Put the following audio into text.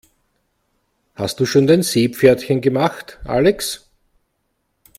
Hast du schon dein Seepferdchen gemacht, Alex?